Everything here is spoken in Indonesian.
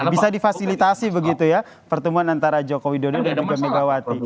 bisa difasilitasi begitu ya pertemuan antara jokowi dodo dan juga megawati